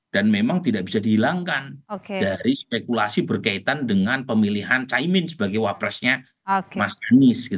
dan memang tidak bisa dihilangkan dari spekulasi berkaitan dengan pemilihan caimin sebagai wapresnya mas anies